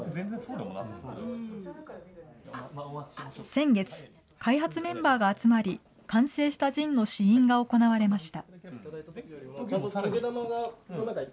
先月、開発メンバーが集まり、完成したジンの試飲が行われました。